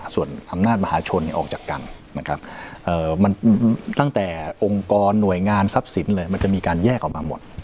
ส่วนอำนาจมหาชนออกจากกันนะครับมันตั้งแต่องค์กรหน่วยงานทรัพย์สินเลยมันจะมีการแยกออกมาหมด